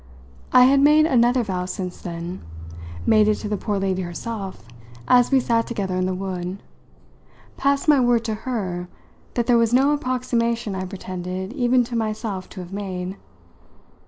I had made another vow since then made it to the poor lady herself as we sat together in the wood; passed my word to her that there was no approximation I pretended even to myself to have made.